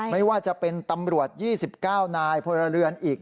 ไม่ว่าจะเป็นตำรวจ๒๙นายพลเรือนอีก